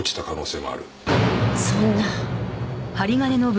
そんな。